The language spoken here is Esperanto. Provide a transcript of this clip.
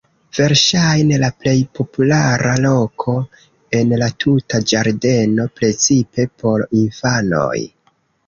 Verŝajne la plej populara loko en la tuta ĝardeno, precipe por infanoj.